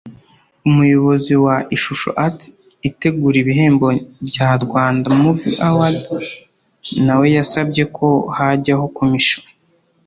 umuyobozi wa Ishusho Arts itegura ibihembo bya Rwanda Movie Awards nawe yasabye ko hajyaho Commission